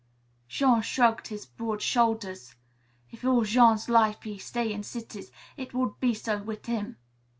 Jean shrugged his broad shoulders. "If all Jean's life he stay in cities, it would be so wit' him."